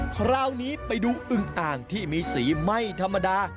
คราวนี้ไปดูอึงอ่างที่มีสีไม่ธรรมดา